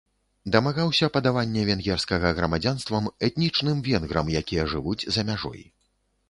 Дамагаўся падавання венгерскага грамадзянствам этнічным венграм, якія жывуць за мяжой.